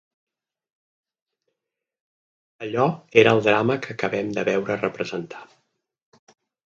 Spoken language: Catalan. Allò era el drama que acabem de veure representar